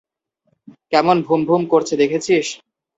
কেমন ভুমভুম করছে দেখেছিস?